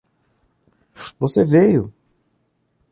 Você veio!